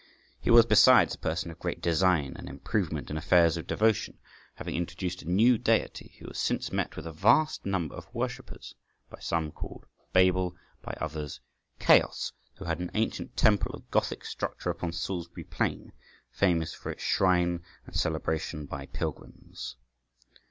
He was, besides, a person of great design and improvement in affairs of devotion, having introduced a new deity, who has since met with a vast number of worshippers, by some called Babel, by others Chaos, who had an ancient temple of Gothic structure upon Salisbury plain, famous for its shrine and celebration by pilgrims.